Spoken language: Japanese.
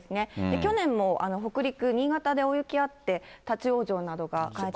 去年も北陸、新潟で大雪あって、立往生などがあって。